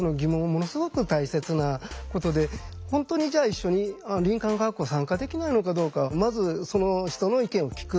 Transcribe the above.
ものすごく大切なことで本当にじゃあ一緒に林間学校参加できないのかどうかまずその人の意見を聞く。